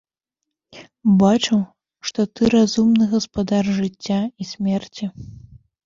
Бачу, што ты разумны гаспадар жыцця і смерці.